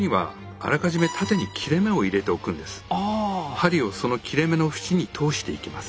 針をその切れ目のふちに通していきます。